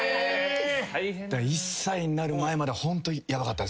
１歳になる前まではホントヤバかったですね。